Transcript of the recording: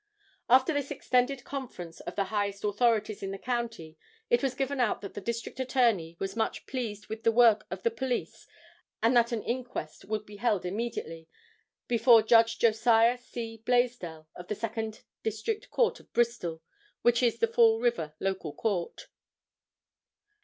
After this extended conference of the highest authorities in the county it was given out that the District Attorney was much pleased with the work of the police and that an inquest would be held immediately, before Judge Josiah C. Blaisdell of the Second District Court of Bristol, which is the Fall River local Court.